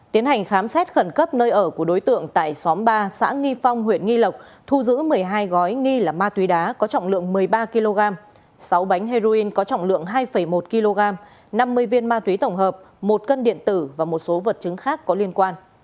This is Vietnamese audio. tiến hành khám xét khẩn cấp nơi ở của đối tượng tại xóm ba xã nghi phong huyện nghi lộc thu giữ một mươi hai gói nghi là ma túy đá có trọng lượng một mươi ba kg sáu bánh heroin có trọng lượng hai một kg năm mươi viên ma túy tổng hợp một cân điện tử và một số vật chứng khác có liên quan